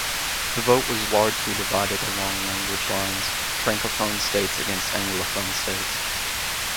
The vote was largely divided along language lines-Francophone states against Anglophone states.